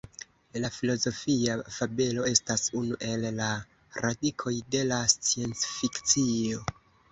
La filozofia fabelo estas unu el la "radikoj" de la sciencfikcio.